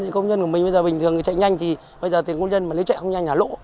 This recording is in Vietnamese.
công nhân của mình bây giờ bình thường chạy nhanh thì bây giờ thì công nhân mà nếu chạy không nhanh nhà lỗ